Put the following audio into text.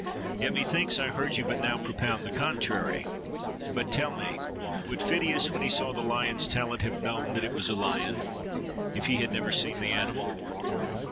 Yet, methinks, I heard you but now propound the contrary. But tell me; would Pheidias when he saw the lion's talon have known that it was a lion's, if he had never seen the animal?